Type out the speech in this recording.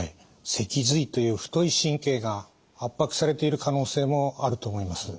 脊髄という太い神経が圧迫されている可能性もあると思います。